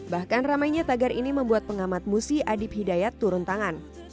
bahkan ramainya tagar ini membuat pengamat musi adib hidayat turun tangan